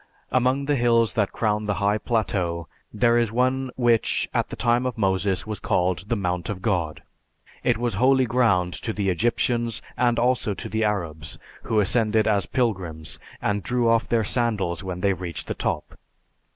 Among the hills that crown the high plateau there is one which at the time of Moses was called the "Mount of God." It was holy ground to the Egyptians, and also to the Arabs, who ascended as pilgrims and drew off their sandals when they reached the top.